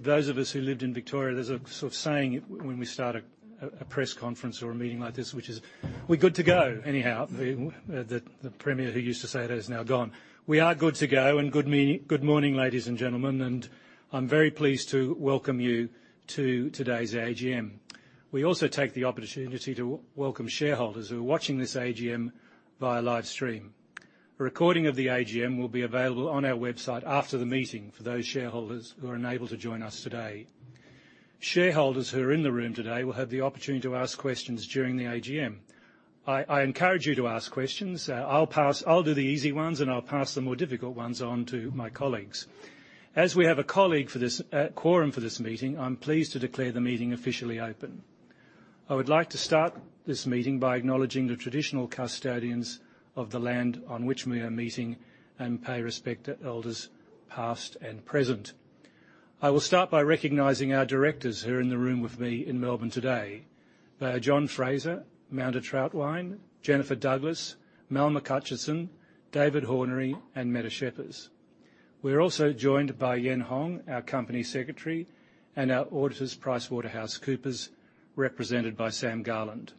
Those of us who lived in Victoria, there's a sort of saying when we start a press conference or a meeting like this, which is: "We're good to go," anyhow. The premier who used to say that is now gone. We are good to go, and good morning, ladies and gentlemen, and I'm very pleased to welcome you to today's AGM. We also take the opportunity to welcome shareholders who are watching this AGM via live stream. A recording of the AGM will be available on our website after the meeting for those shareholders who are unable to join us today. Shareholders who are in the room today will have the opportunity to ask questions during the AGM. I encourage you to ask questions. I'll do the easy ones, and I'll pass the more difficult ones on to my colleagues. As we have a quorum for this meeting, I'm pleased to declare the meeting officially open. I would like to start this meeting by acknowledging the traditional custodians of the land on which we are meeting and pay respect to elders, past and present. I will start by recognizing our directors who are in the room with me in Melbourne today. They are John Fraser, Manda Trautwein, Jennifer Douglas, Mal McHutchison, David Hornery, and Mette Schepers. We're also joined by Yien Hong, our company secretary, and our auditors, PricewaterhouseCoopers, represented by Sam Garland.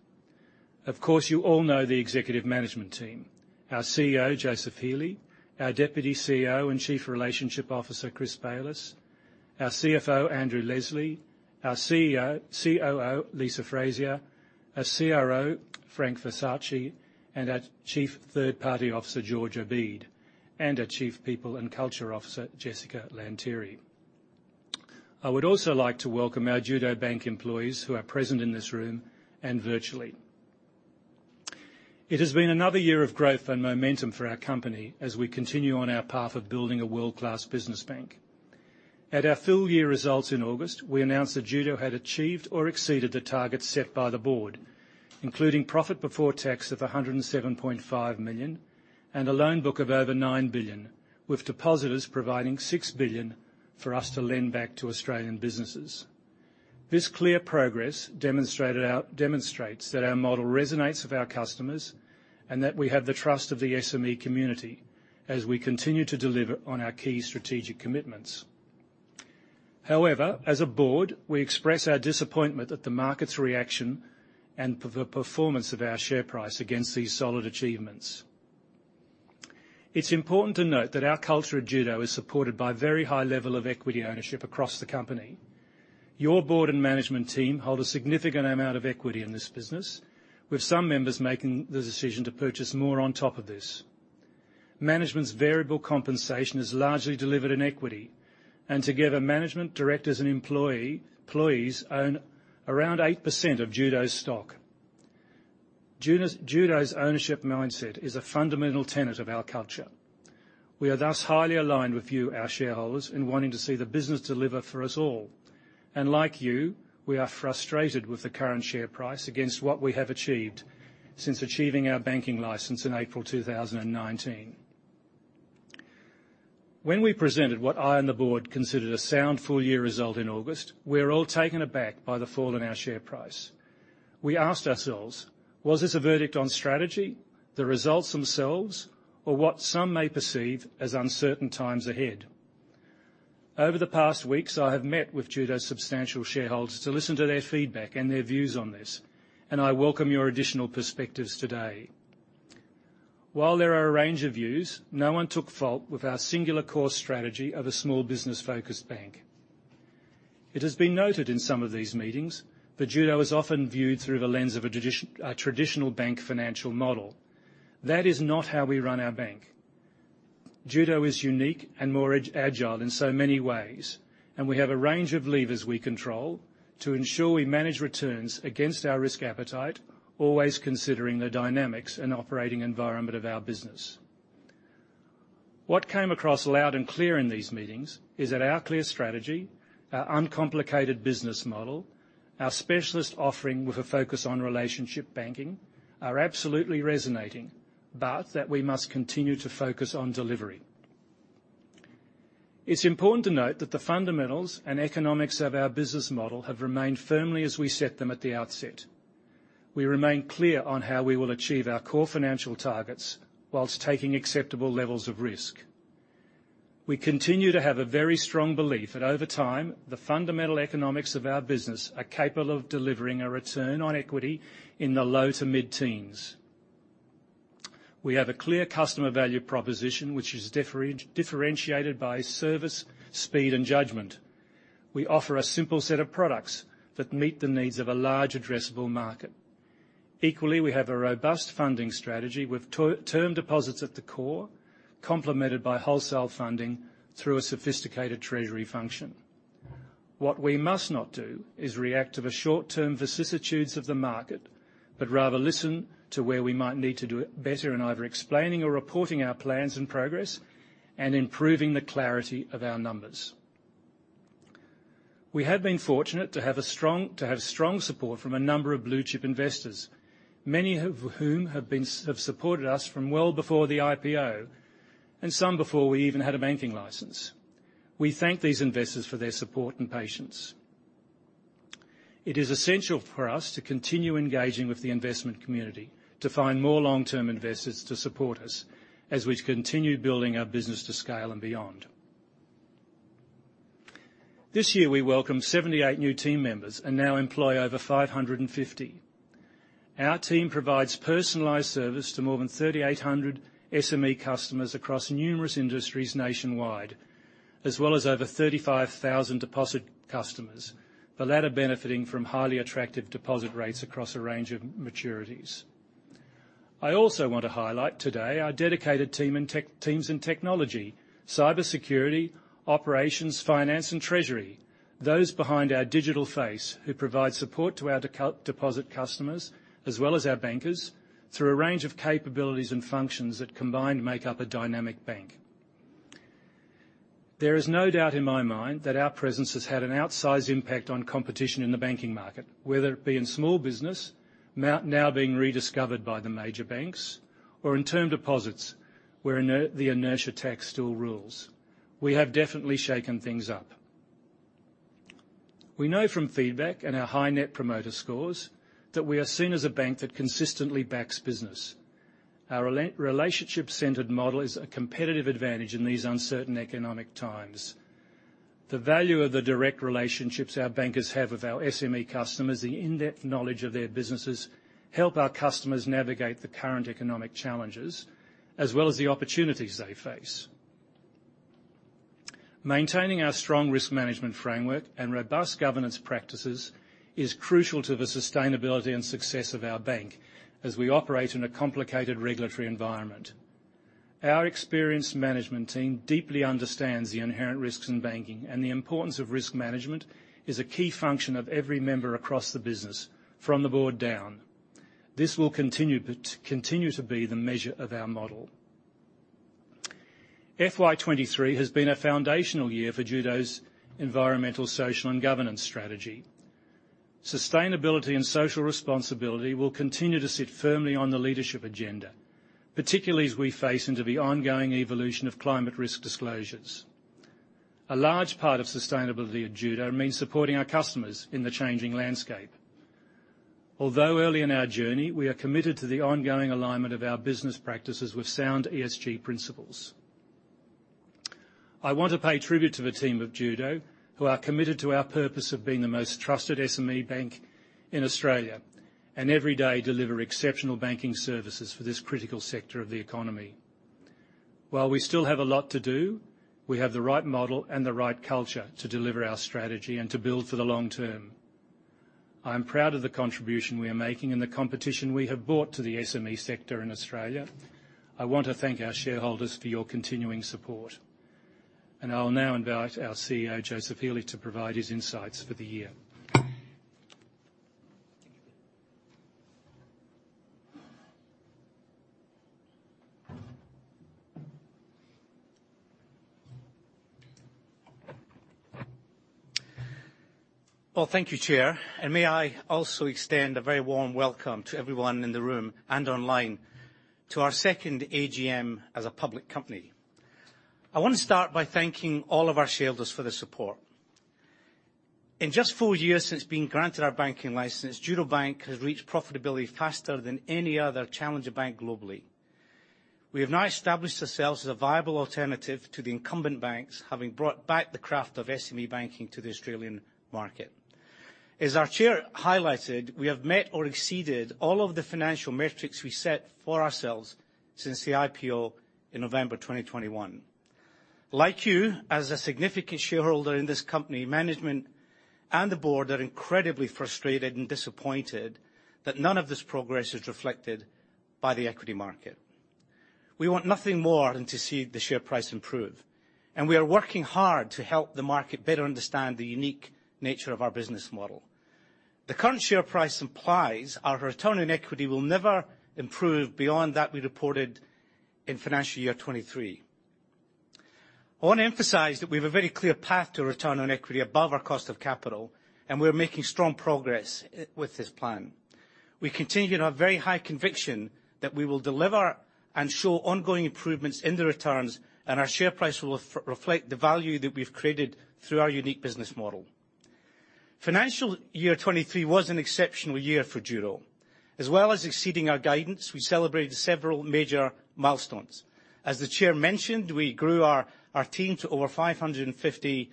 Of course, you all know the executive management team, our CEO, Joseph Healy; our Deputy CEO and Chief Relationship Officer, Chris Bayliss; our CFO, Andrew Leslie; our CEO, COO, Lisa Frazier; our CRO, Frank Versace; and our Chief Third Party Officer, George Abeid, and our Chief People and Culture Officer, Jessica Lanteri. I would also like to welcome our Judo Bank employees who are present in this room and virtually. It has been another year of growth and momentum for our company as we continue on our path of building a world-class business bank. At our full year results in August, we announced that Judo had achieved or exceeded the targets set by the board, including profit before tax of AUD 107.5 million, and a loan book of over AUD 9 billion, with depositors providing AUD 6 billion for us to lend back to Australian businesses. This clear progress demonstrates that our model resonates with our customers and that we have the trust of the SME community as we continue to deliver on our key strategic commitments. However, as a board, we express our disappointment at the market's reaction and the performance of our share price against these solid achievements. It's important to note that our culture at Judo is supported by a very high level of equity ownership across the company. Your board and management team hold a significant amount of equity in this business, with some members making the decision to purchase more on top of this. Management's variable compensation is largely delivered in equity, and together, management, directors, and employees own around 8% of Judo's stock. Judo's ownership mindset is a fundamental tenet of our culture. We are thus highly aligned with you, our shareholders, in wanting to see the business deliver for us all. And like you, we are frustrated with the current share price against what we have achieved since achieving our banking license in April 2019. When we presented what I and the board considered a sound full-year result in August, we were all taken aback by the fall in our share price. We asked ourselves, was this a verdict on strategy, the results themselves, or what some may perceive as uncertain times ahead? Over the past weeks, I have met with Judo's substantial shareholders to listen to their feedback and their views on this, and I welcome your additional perspectives today. While there are a range of views, no one took fault with our singular core strategy of a small business-focused bank. It has been noted in some of these meetings that Judo is often viewed through the lens of a traditional bank financial model. That is not how we run our bank. Judo is unique and more agile in so many ways, and we have a range of levers we control to ensure we manage returns against our risk appetite, always considering the dynamics and operating environment of our business. What came across loud and clear in these meetings is that our clear strategy, our uncomplicated business model, our specialist offering with a focus on relationship banking, are absolutely resonating, but that we must continue to focus on delivery. It's important to note that the fundamentals and economics of our business model have remained firmly as we set them at the outset. We remain clear on how we will achieve our core financial targets while taking acceptable levels of risk. We continue to have a very strong belief that over time, the fundamental economics of our business are capable of delivering a return on equity in the low to mid-teens. We have a clear customer value proposition, which is differentiated by service, speed, and judgment. We offer a simple set of products that meet the needs of a large addressable market. Equally, we have a robust funding strategy with term deposits at the core, complemented by wholesale funding through a sophisticated treasury function. What we must not do is react to the short-term vicissitudes of the market, but rather listen to where we might need to do it better in either explaining or reporting our plans and progress and improving the clarity of our numbers. We have been fortunate to have strong support from a number of blue-chip investors, many of whom have supported us from well before the IPO, and some before we even had a banking license. We thank these investors for their support and patience. It is essential for us to continue engaging with the investment community to find more long-term investors to support us, as we continue building our business to scale and beyond. This year, we welcomed 78 new team members and now employ over 550. Our team provides personalized service to more than 3,800 SME customers across numerous industries nationwide, as well as over 35,000 deposit customers. The latter benefiting from highly attractive deposit rates across a range of maturities. I also want to highlight today, our dedicated teams in technology, cybersecurity, operations, finance, and treasury. Those behind our digital face, who provide support to our deposit customers, as well as our bankers, through a range of capabilities and functions that combined make up a dynamic bank. There is no doubt in my mind that our presence has had an outsized impact on competition in the banking market, whether it be in small business, SME, now being rediscovered by the major banks, or in term deposits, where the inertia tax still rules. We have definitely shaken things up. We know from feedback and our high Net Promoter Scores, that we are seen as a bank that consistently backs business. Our relationship-centered model is a competitive advantage in these uncertain economic times. The value of the direct relationships our bankers have with our SME customers, the in-depth knowledge of their businesses, help our customers navigate the current economic challenges, as well as the opportunities they face. Maintaining our strong risk management framework and robust governance practices is crucial to the sustainability and success of our bank, as we operate in a complicated regulatory environment. Our experienced management team deeply understands the inherent risks in banking, and the importance of risk management is a key function of every member across the business, from the board down. This will continue to be the measure of our model. FY23 has been a foundational year for Judo's environmental, social, and governance strategy. Sustainability and social responsibility will continue to sit firmly on the leadership agenda, particularly as we face into the ongoing evolution of climate risk disclosures. A large part of sustainability at Judo means supporting our customers in the changing landscape. Although early in our journey, we are committed to the ongoing alignment of our business practices with sound ESG principles. I want to pay tribute to the team of Judo, who are committed to our purpose of being the most trusted SME bank in Australia, and every day deliver exceptional banking services for this critical sector of the economy. While we still have a lot to do, we have the right model and the right culture to deliver our strategy and to build for the long term. I'm proud of the contribution we are making and the competition we have brought to the SME sector in Australia. I want to thank our shareholders for your continuing support, and I will now invite our CEO, Joseph Healy, to provide his insights for the year. Well, thank you, Chair, and may I also extend a very warm welcome to everyone in the room and online to our second AGM as a public company. I want to start by thanking all of our shareholders for their support. In just four years since being granted our banking license, Judo Bank has reached profitability faster than any other challenger bank globally. We have now established ourselves as a viable alternative to the incumbent banks, having brought back the craft of SME banking to the Australian market. As our Chair highlighted, we have met or exceeded all of the financial metrics we set for ourselves since the IPO in November 2021. Like you, as a significant shareholder in this company, management and the board are incredibly frustrated and disappointed that none of this progress is reflected by the equity market. We want nothing more than to see the share price improve, and we are working hard to help the market better understand the unique nature of our business model. The current share price implies our return on equity will never improve beyond that we reported in financial year 2023. I want to emphasize that we have a very clear path to return on equity above our cost of capital, and we are making strong progress with this plan. We continue to have very high conviction that we will deliver and show ongoing improvements in the returns, and our share price will reflect the value that we've created through our unique business model. Financial year 2023 was an exceptional year for Judo. As well as exceeding our guidance, we celebrated several major milestones. As the chair mentioned, we grew our team to over 550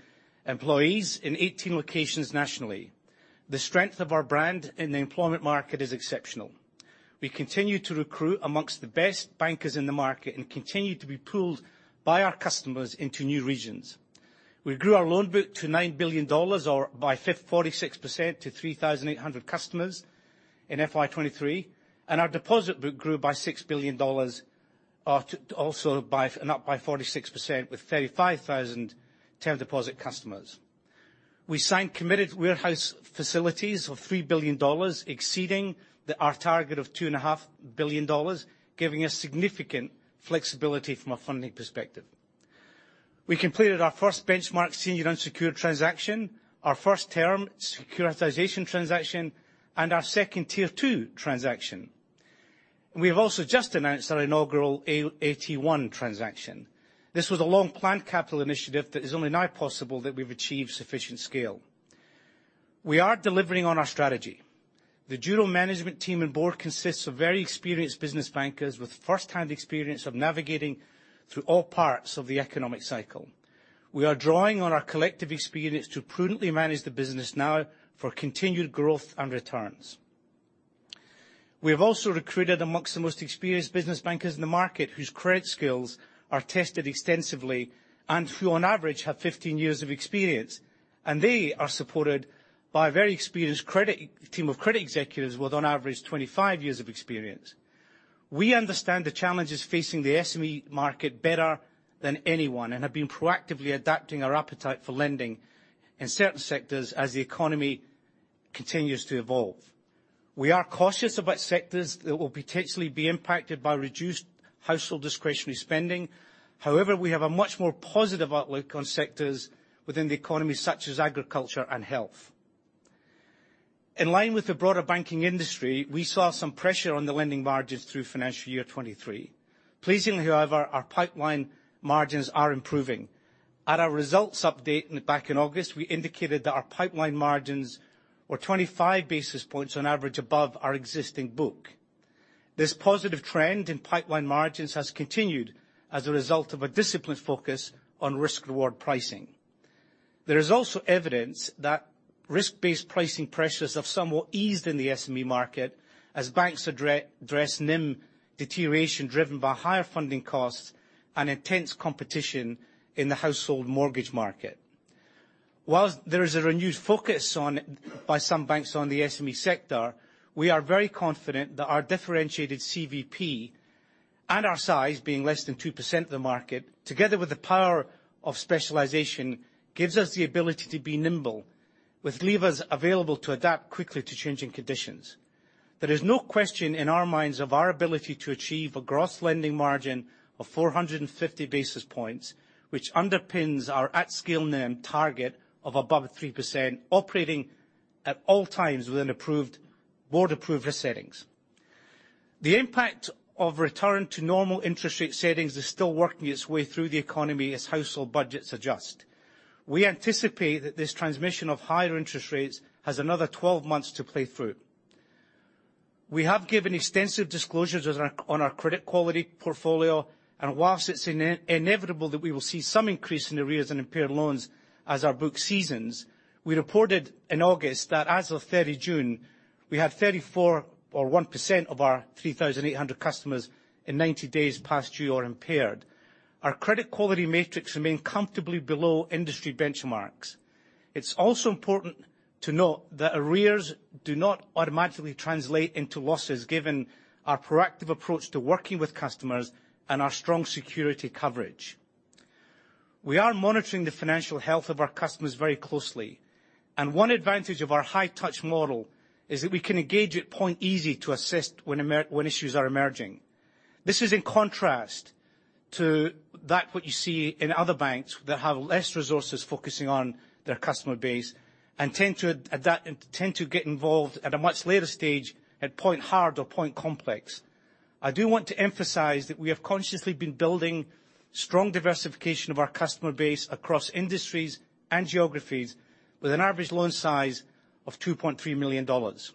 employees in 18 locations nationally. The strength of our brand in the employment market is exceptional. We continue to recruit among the best bankers in the market and continue to be pulled by our customers into new regions. We grew our loan book to 9 billion dollars, or by 46% to 3,800 customers in FY 2023, and our deposit book grew by 6 billion dollars up by 46%, with 35,000 term deposit customers. We signed committed warehouse facilities of 3 billion dollars, exceeding our target of 2.5 billion dollars, giving us significant flexibility from a funding perspective. We completed our first benchmark senior unsecured transaction, our first term securitization transaction, and our second Tier Two transaction.... We have also just announced our inaugural AT1 transaction. This was a long-planned capital initiative that is only now possible that we've achieved sufficient scale. We are delivering on our strategy. The Judo management team and board consists of very experienced business bankers with first-hand experience of navigating through all parts of the economic cycle. We are drawing on our collective experience to prudently manage the business now for continued growth and returns. We have also recruited amongst the most experienced business bankers in the market, whose credit skills are tested extensively and who, on average, have 15 years of experience, and they are supported by a very experienced credit team of credit executives with, on average, 25 years of experience. We understand the challenges facing the SME market better than anyone, and have been proactively adapting our appetite for lending in certain sectors as the economy continues to evolve. We are cautious about sectors that will potentially be impacted by reduced household discretionary spending. However, we have a much more positive outlook on sectors within the economy, such as agriculture and health. In line with the broader banking industry, we saw some pressure on the lending margins through financial year 23. Pleasingly, however, our pipeline margins are improving. At our results update back in August, we indicated that our pipeline margins were 25 basis points on average above our existing book. This positive trend in pipeline margins has continued as a result of a disciplined focus on risk-reward pricing. There is also evidence that risk-based pricing pressures have somewhat eased in the SME market, as banks address NIM deterioration, driven by higher funding costs and intense competition in the household mortgage market. While there is a renewed focus by some banks on the SME sector, we are very confident that our differentiated CVP and our size, being less than 2% of the market, together with the power of specialization, gives us the ability to be nimble, with levers available to adapt quickly to changing conditions. There is no question in our minds of our ability to achieve a gross lending margin of 450 basis points, which underpins our at-scale NIM target of above 3%, operating at all times within approved, board-approved risk settings. The impact of return to normal interest rate settings is still working its way through the economy as household budgets adjust. We anticipate that this transmission of higher interest rates has another 12 months to play through. We have given extensive disclosures on our credit quality portfolio, and while it's inevitable that we will see some increase in arrears and impaired loans as our book seasons, we reported in August that as of 30 June, we had 0.41% of our 3,800 customers in 90 days past due or impaired. Our credit quality metrics remain comfortably below industry benchmarks. It's also important to note that arrears do not automatically translate into losses, given our proactive approach to working with customers and our strong security coverage. We are monitoring the financial health of our customers very closely, and one advantage of our high touch model is that we can engage at Point Easy to assist when issues are emerging. This is in contrast to that what you see in other banks that have less resources focusing on their customer base and tend to adapt, and tend to get involved at a much later stage, at Point Hard or Point Complex. I do want to emphasize that we have consciously been building strong diversification of our customer base across industries and geographies, with an average loan size of 2.3 million dollars.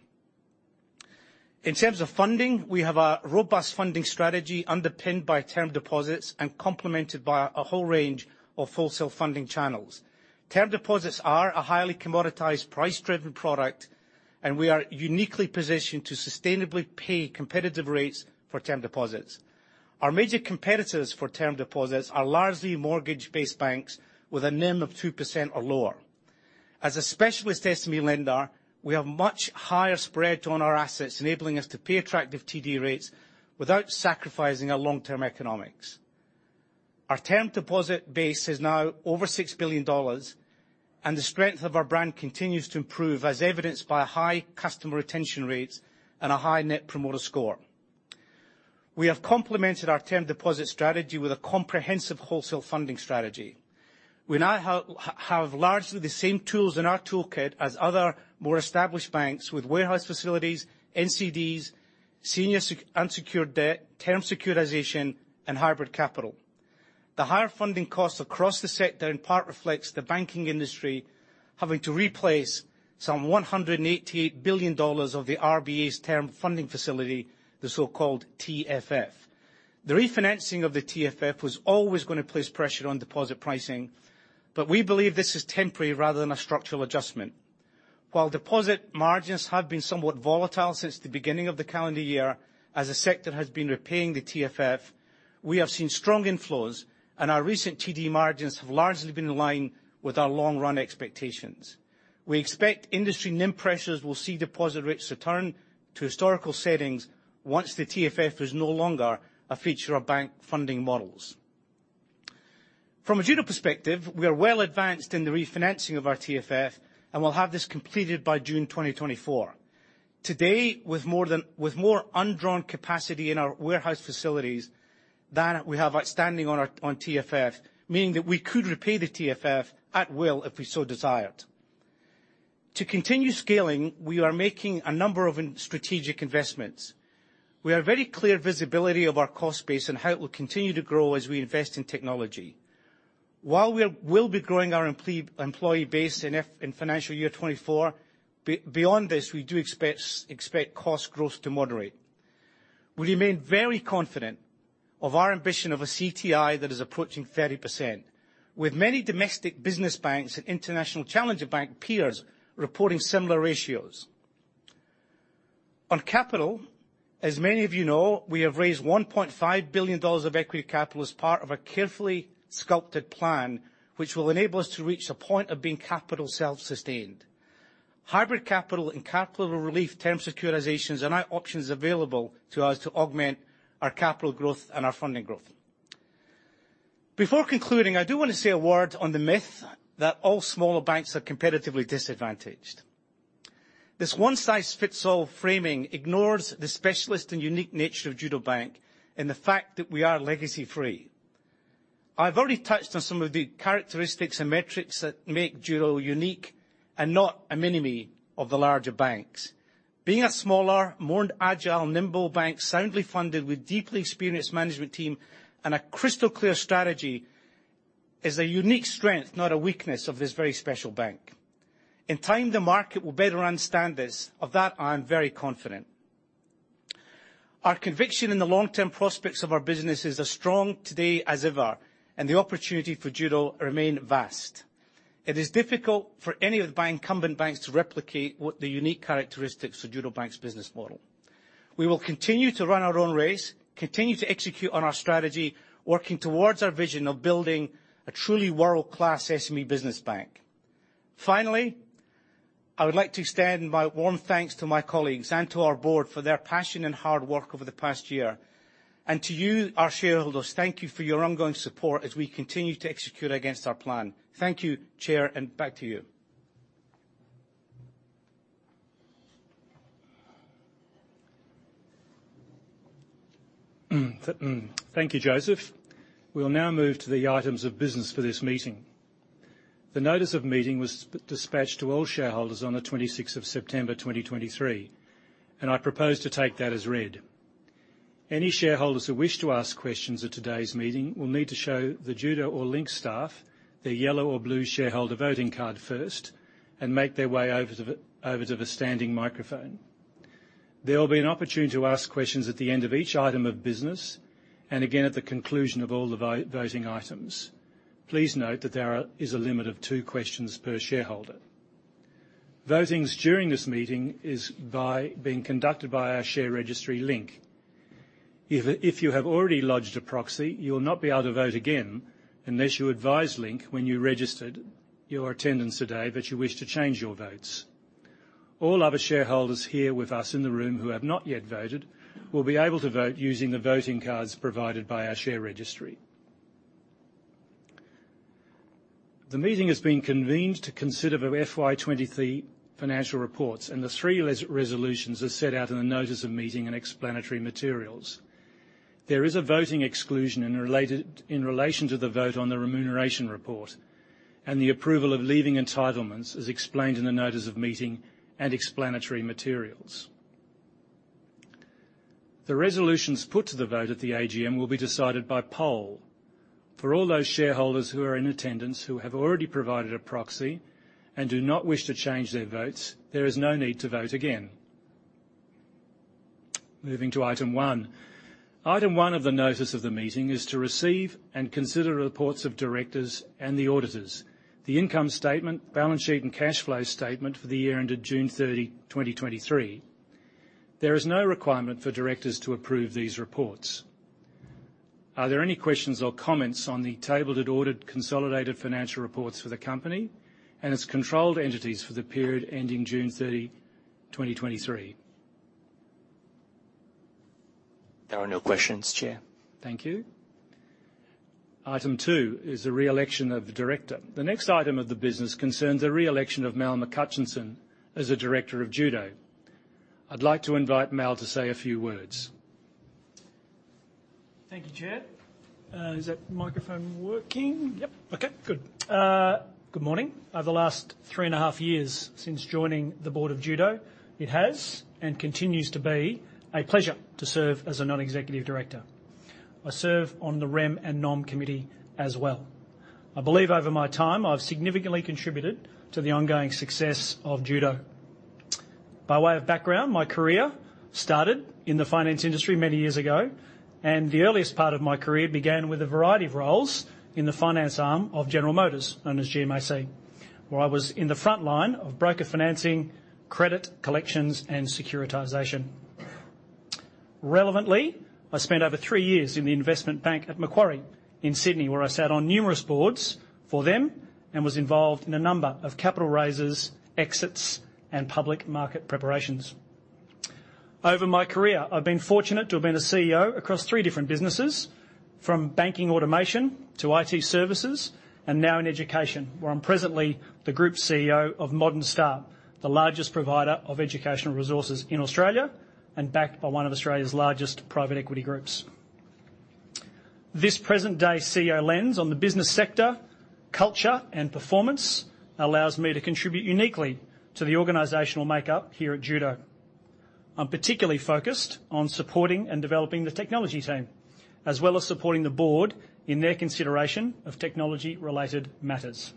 In terms of funding, we have a robust funding strategy, underpinned by term deposits and complemented by a whole range of wholesale funding channels. Term deposits are a highly commoditized, price-driven product, and we are uniquely positioned to sustainably pay competitive rates for term deposits. Our major competitors for term deposits are largely mortgage-based banks with a NIM of 2% or lower. As a specialist SME lender, we have much higher spread on our assets, enabling us to pay attractive TD rates without sacrificing our long-term economics. Our term deposit base is now over 6 billion dollars, and the strength of our brand continues to improve, as evidenced by high customer retention rates and a high net promoter score. We have complemented our term deposit strategy with a comprehensive wholesale funding strategy. We now have largely the same tools in our toolkit as other more established banks, with warehouse facilities, NCDs, senior unsecured debt, term securitization, and hybrid capital. The higher funding costs across the sector in part reflects the banking industry having to replace some 188 billion dollars of the RBA's Term Funding Facility, the so-called TFF. The refinancing of the TFF was always going to place pressure on deposit pricing, but we believe this is temporary rather than a structural adjustment. While deposit margins have been somewhat volatile since the beginning of the calendar year, as the sector has been repaying the TFF, we have seen strong inflows, and our recent TD margins have largely been in line with our long-run expectations. We expect industry NIM pressures will see deposit rates return to historical settings once the TFF is no longer a feature of bank funding models. From a Judo perspective, we are well advanced in the refinancing of our TFF, and we'll have this completed by June 2024. Today, with more undrawn capacity in our warehouse facilities than we have outstanding on our TFF, meaning that we could repay the TFF at will, if we so desired. To continue scaling, we are making a number of strategic investments. We have very clear visibility of our cost base and how it will continue to grow as we invest in technology. While we'll be growing our employee base in financial year 2024, beyond this, we do expect cost growth to moderate. We remain very confident of our ambition of a CTI that is approaching 30%, with many domestic business banks and international challenger bank peers reporting similar ratios. On capital, as many of you know, we have raised 1.5 billion dollars of equity capital as part of a carefully sculpted plan, which will enable us to reach a point of being capital self-sustained. Hybrid capital and capital relief, term securitizations, are now options available to us to augment our capital growth and our funding growth. Before concluding, I do want to say a word on the myth that all smaller banks are competitively disadvantaged. This one-size-fits-all framing ignores the specialist and unique nature of Judo Bank and the fact that we are legacy-free. I've already touched on some of the characteristics and metrics that make Judo unique and not a mini-me of the larger banks. Being a smaller, more agile, nimble bank, soundly funded, with deeply experienced management team and a crystal clear strategy, is a unique strength, not a weakness, of this very special bank. In time, the market will better understand this. Of that, I am very confident. Our conviction in the long-term prospects of our business is as strong today as ever, and the opportunity for Judo remain vast. It is difficult for any of the bank, incumbent banks to replicate what the unique characteristics of Judo Bank's business model. We will continue to run our own race, continue to execute on our strategy, working towards our vision of building a truly world-class SME business bank. Finally, I would like to extend my warm thanks to my colleagues and to our board for their passion and hard work over the past year. And to you, our shareholders, thank you for your ongoing support as we continue to execute against our plan. Thank you, Chair, and back to you. Thank you, Joseph. We will now move to the items of business for this meeting. The notice of meeting was dispatched to all shareholders on the 26th of September, 2023, and I propose to take that as read. Any shareholders who wish to ask questions at today's meeting will need to show the Judo or Link staff their yellow or blue shareholder voting card first and make their way over to the, over to the standing microphone. There will be an opportunity to ask questions at the end of each item of business, and again, at the conclusion of all the vote, voting items. Please note that there are, is a limit of two questions per shareholder. Voting during this meeting is by being conducted by our share registry, Link. If you have already lodged a proxy, you will not be able to vote again unless you advise Link when you registered your attendance today that you wish to change your votes. All other shareholders here with us in the room who have not yet voted will be able to vote using the voting cards provided by our share registry. The meeting has been convened to consider the FY 23 financial reports, and the 3 resolutions are set out in the notice of meeting and explanatory materials. There is a voting exclusion in relation to the vote on the remuneration report, and the approval of leaving entitlements, as explained in the notice of meeting and explanatory materials. The resolutions put to the vote at the AGM will be decided by poll. For all those shareholders who are in attendance, who have already provided a proxy and do not wish to change their votes, there is no need to vote again. Moving to item one. Item one of the notice of the meeting is to receive and consider reports of directors and the auditors, the income statement, balance sheet, and cash flow statement for the year ended June 30, 2023. There is no requirement for directors to approve these reports. Are there any questions or comments on the tabled and ordered consolidated financial reports for the company and its controlled entities for the period ending June 30, 2023? There are no questions, Chair. Thank you. Item two is the re-election of the director. The next item of the business concerns the re-election of Mal McHutchison as a director of Judo. I'd like to invite Mal to say a few words. Thank you, Chair. Is that microphone working? Yep. Okay, good. Good morning. Over the last three and a half years since joining the board of Judo, it has and continues to be a pleasure to serve as a non-executive director. I serve on the Rem and Nom committee as well. I believe over my time, I've significantly contributed to the ongoing success of Judo. By way of background, my career started in the finance industry many years ago, and the earliest part of my career began with a variety of roles in the finance arm of General Motors, known as GMAC, where I was in the front line of broker financing, credit, collections, and securitization. Relevantly, I spent over three years in the investment bank at Macquarie in Sydney, where I sat on numerous boards for them and was involved in a number of capital raises, exits, and public market preparations. Over my career, I've been fortunate to have been a CEO across three different businesses, from banking automation to IT services, and now in education, where I'm presently the group CEO of Modern Star, the largest provider of educational resources in Australia and backed by one of Australia's largest private equity groups.... This present day CEO lens on the business sector, culture, and performance allows me to contribute uniquely to the organizational makeup here at Judo. I'm particularly focused on supporting and developing the technology team, as well as supporting the board in their consideration of technology-related matters.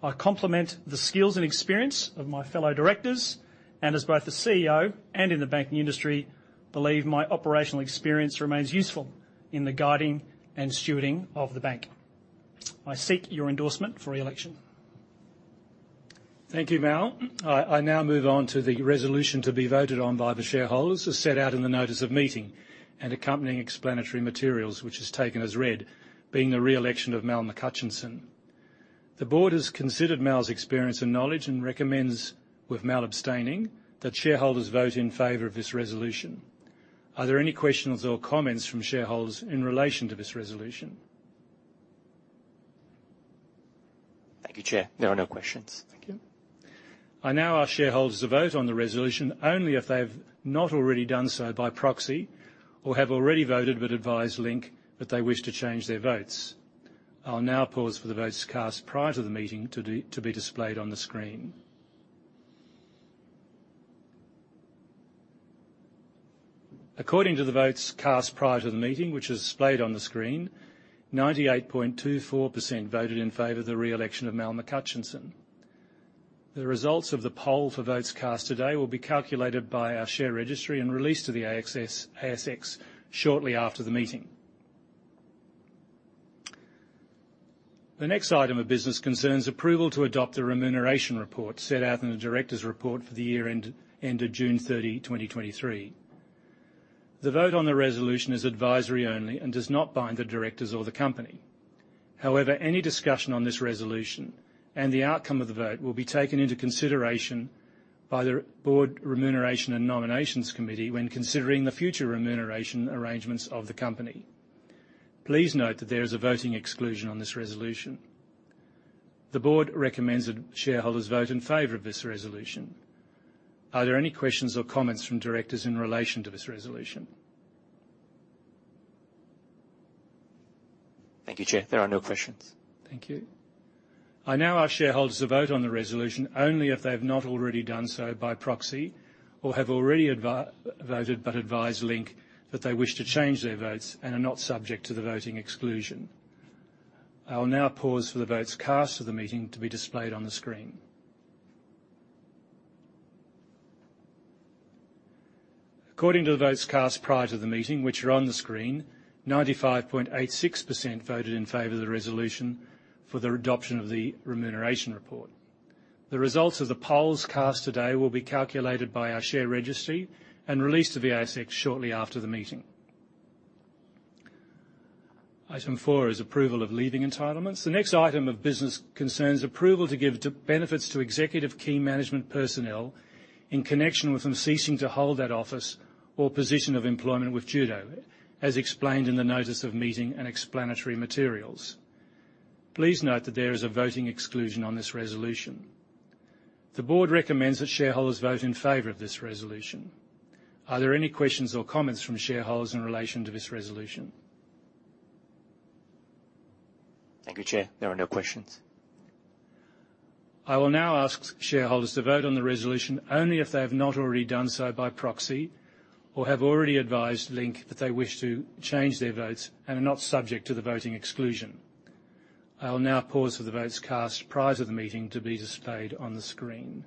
I complement the skills and experience of my fellow directors, and as both the CEO and in the banking industry, believe my operational experience remains useful in the guiding and stewarding of the bank. I seek your endorsement for re-election. Thank you, Mal. I now move on to the resolution to be voted on by the shareholders, as set out in the notice of meeting and accompanying explanatory materials, which is taken as read, being the re-election of Mal McHutchison. The board has considered Mal's experience and knowledge and recommends, with Mal abstaining, that shareholders vote in favor of this resolution. Are there any questions or comments from shareholders in relation to this resolution? Thank you, Chair. There are no questions. Thank you. I now ask shareholders to vote on the resolution only if they have not already done so by proxy or have already voted but advised Link that they wish to change their votes. I'll now pause for the votes cast prior to the meeting to be displayed on the screen. According to the votes cast prior to the meeting, which is displayed on the screen, 98.24% voted in favor of the re-election of Mal McHutchison. The results of the poll for votes cast today will be calculated by our share registry and released to the ASX shortly after the meeting. The next item of business concerns approval to adopt a remuneration report set out in the directors' report for the year ended June 30, 2023. The vote on the resolution is advisory only and does not bind the directors or the company. However, any discussion on this resolution and the outcome of the vote will be taken into consideration by the Board Remuneration and Nominations Committee when considering the future remuneration arrangements of the company. Please note that there is a voting exclusion on this resolution. The Board recommends that shareholders vote in favor of this resolution. Are there any questions or comments from directors in relation to this resolution? Thank you, Chair. There are no questions. Thank you. I now ask shareholders to vote on the resolution only if they have not already done so by proxy or have already voted, but advised Link that they wish to change their votes and are not subject to the voting exclusion. I will now pause for the votes cast at the meeting to be displayed on the screen. According to the votes cast prior to the meeting, which are on the screen, 95.86% voted in favor of the resolution for the adoption of the remuneration report. The results of the polls cast today will be calculated by our share registry and released to the ASX shortly after the meeting. Item four is approval of leaving entitlements. The next item of business concerns approval to give to benefits to executive key management personnel in connection with them ceasing to hold that office or position of employment with Judo, as explained in the notice of meeting and explanatory materials. Please note that there is a voting exclusion on this resolution. The board recommends that shareholders vote in favor of this resolution. Are there any questions or comments from shareholders in relation to this resolution? Thank you, Chair. There are no questions. I will now ask shareholders to vote on the resolution only if they have not already done so by proxy or have already advised Link that they wish to change their votes and are not subject to the voting exclusion. I will now pause for the votes cast prior to the meeting to be displayed on the screen.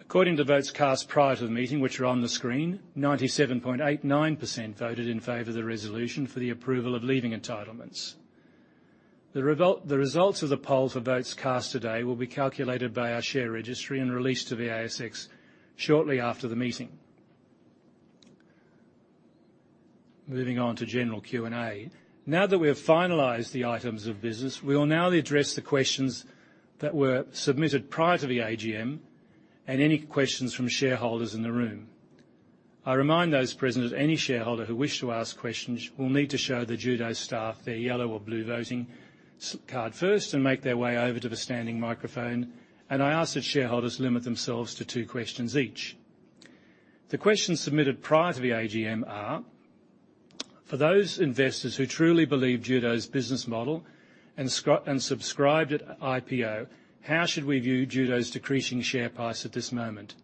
According to votes cast prior to the meeting, which are on the screen, 97.89% voted in favor of the resolution for the approval of leaving entitlements. The result, the results of the poll for votes cast today will be calculated by our share registry and released to the ASX shortly after the meeting. Moving on to general Q&A. Now that we have finalized the items of business, we will now address the questions that were submitted prior to the AGM and any questions from shareholders in the room. I remind those present that any shareholder who wish to ask questions will need to show the Judo staff their yellow or blue voting card first and make their way over to the standing microphone, and I ask that shareholders limit themselves to two questions each. The questions submitted prior to the AGM are: For those investors who truly believe Judo's business model and subscribed at IPO, how should we view Judo's decreasing share price at this moment?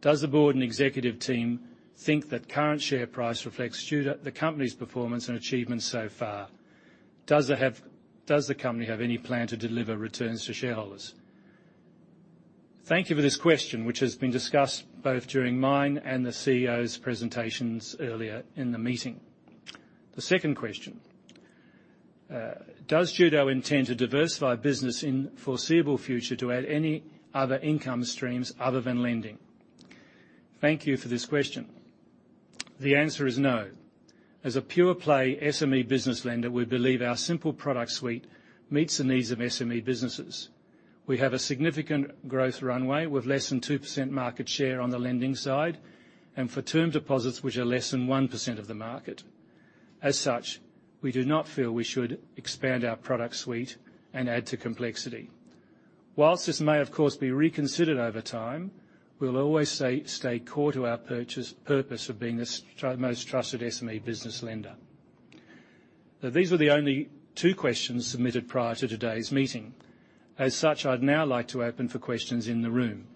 Does the board and executive team think that current share price reflects Judo, the company's performance and achievements so far? Does the company have any plan to deliver returns to shareholders? Thank you for this question, which has been discussed both during mine and the CEO's presentations earlier in the meeting. The second question, does Judo intend to diversify business in foreseeable future to add any other income streams other than lending? Thank you for this question. The answer is no. As a pure play SME business lender, we believe our simple product suite meets the needs of SME businesses. We have a significant growth runway, with less than 2% market share on the lending side, and for term deposits, which are less than 1% of the market. As such, we do not feel we should expand our product suite and add to complexity. While this may of course, be reconsidered over time, we'll always stay core to our purpose of being the most trusted SME business lender. Now, these were the only two questions submitted prior to today's meeting. As such, I'd now like to open for questions in the room.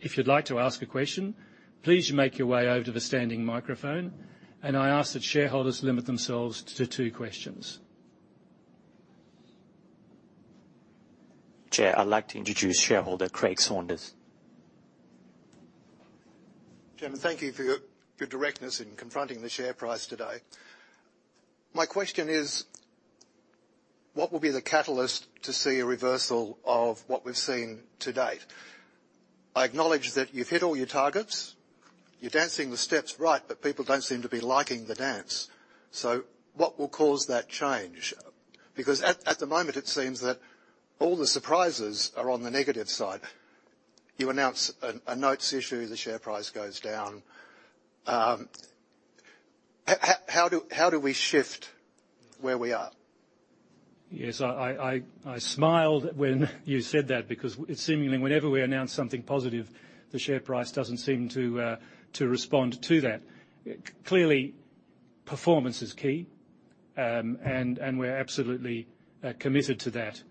If you'd like to ask a question, please make your way over to the standing microphone, and I ask that shareholders limit themselves to two questions. Chair, I'd like to introduce shareholder, Craig Saunders. Chairman, thank you for your directness in confronting the share price today. My question is: What will be the catalyst to see a reversal of what we've seen to date? I acknowledge that you've hit all your targets. You're dancing the steps right, but people don't seem to be liking the dance. So what will cause that change? Because at the moment, it seems that all the surprises are on the negative side. You announce a notes issue, the share price goes down. How do we shift where we are? Yes, I smiled when you said that, because it seemingly, whenever we announce something positive, the share price doesn't seem to respond to that. Clearly, performance is key. And we're absolutely committed to that.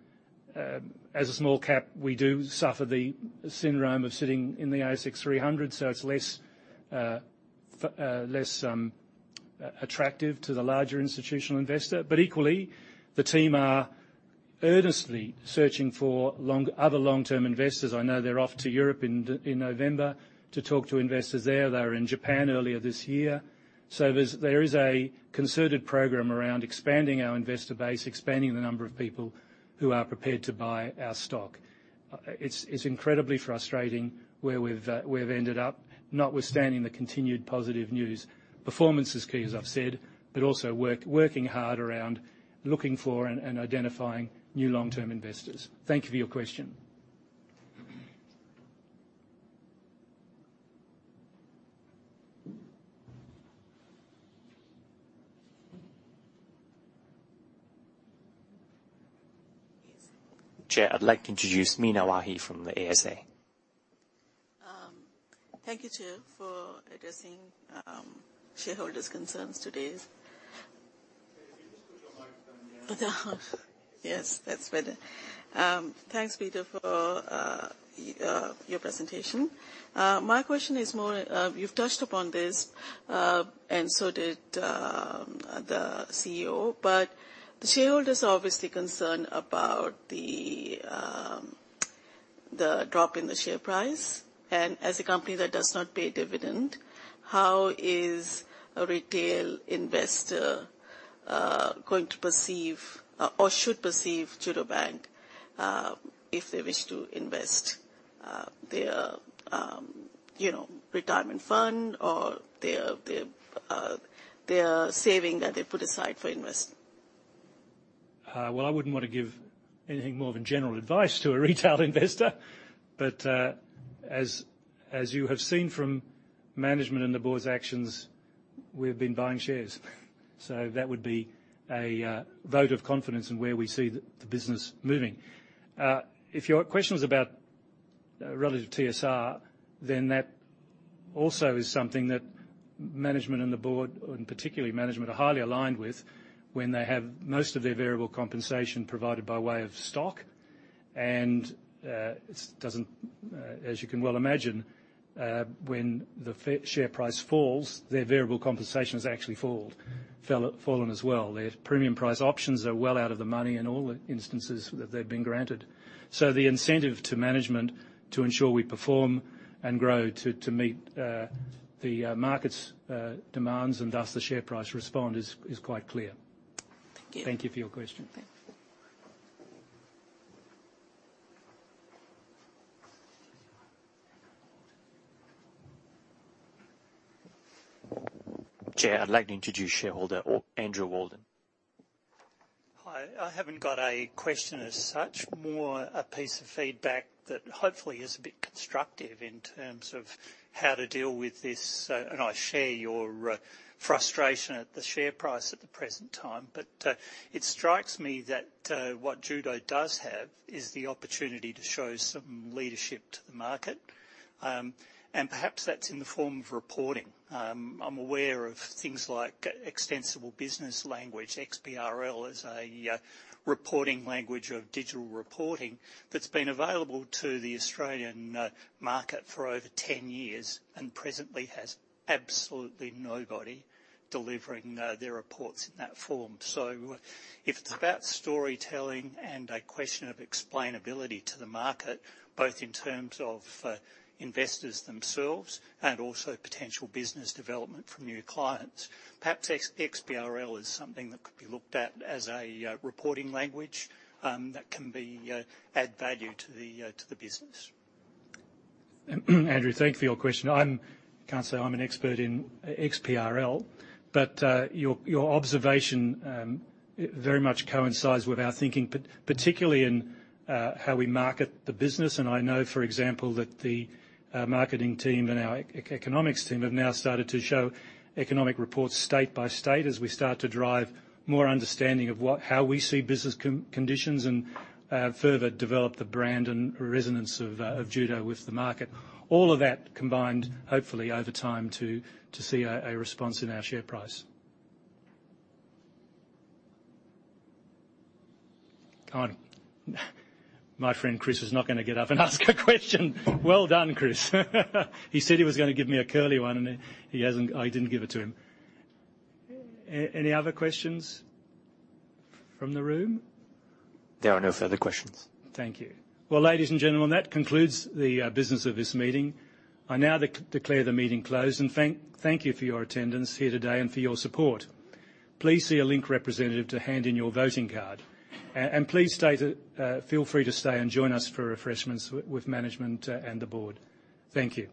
As a small cap, we do suffer the syndrome of sitting in the ASX 300, so it's less attractive to the larger institutional investor. But equally, the team are earnestly searching for other long-term investors. I know they're off to Europe in November to talk to investors there. They were in Japan earlier this year. So there is a concerted program around expanding our investor base, expanding the number of people who are prepared to buy our stock. It's incredibly frustrating where we've ended up, notwithstanding the continued positive news. Performance is key, as I've said, but also working hard around looking for and identifying new long-term investors. Thank you for your question. Chair, I'd like to introduce Meena Wahi from the ASA. Thank you, Chair, for addressing shareholders' concerns today. Can you just put your microphone down? Yes, that's better. Thanks, Peter, for your presentation. My question is more, you've touched upon this, and so did the CEO, but the shareholders are obviously concerned about the drop in the share price. And as a company that does not pay a dividend, how is a retail investor going to perceive or should perceive Judo Bank, if they wish to invest their, you know, retirement fund or their saving that they put aside for investment? Well, I wouldn't want to give anything more than general advice to a retail investor. But, as you have seen from management and the board's actions, we've been buying shares. So that would be a vote of confidence in where we see the business moving. If your question is about relative TSR, then that also is something that management and the board, and particularly management, are highly aligned with when they have most of their variable compensation provided by way of stock. And, it doesn't, as you can well imagine, when the share price falls, their variable compensation has actually fallen. Fell, fallen as well. Their premium price options are well out of the money in all the instances that they've been granted. So the incentive to management to ensure we perform and grow to meet the market's demands and thus the share price respond is quite clear. Thank you. Thank you for your question. Thank you. Chair, I'd like to introduce shareholder, Andrew Walden. Hi. I haven't got a question as such, more a piece of feedback that hopefully is a bit constructive in terms of how to deal with this. I share your frustration at the share price at the present time. It strikes me that what Judo does have is the opportunity to show some leadership to the market, and perhaps that's in the form of reporting. I'm aware of things like Extensible Business Language. XBRL is a reporting language of digital reporting that's been available to the Australian market for over 10 years, and presently has absolutely nobody delivering their reports in that form. If it's about storytelling and a question of explainability to the market, both in terms of investors themselves and also potential business development from new clients, perhaps XBRL is something that could be looked at as a reporting language that can add value to the business. Andrew, thank you for your question. I can't say I'm an expert in XBRL, but your observation very much coincides with our thinking, particularly in how we market the business. And I know, for example, that the marketing team and our economics team have now started to show economic reports state by state, as we start to drive more understanding of how we see business conditions and further develop the brand and resonance of Judo with the market. All of that combined, hopefully over time, to see a response in our share price. Oh, my friend Chris is not gonna get up and ask a question. Well done, Chris. He said he was gonna give me a curly one, and he hasn't, I didn't give it to him. Any other questions from the room? There are no further questions. Thank you. Well, ladies and gentlemen, that concludes the business of this meeting. I now declare the meeting closed, and thank you for your attendance here today and for your support. Please see a Link representative to hand in your voting card. Feel free to stay and join us for refreshments with management and the board. Thank you.